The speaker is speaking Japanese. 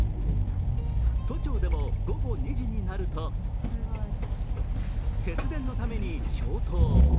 都庁でも午後２時になると節電のために消灯。